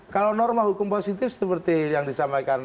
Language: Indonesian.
kalau norma hukum positif seperti yang disampaikan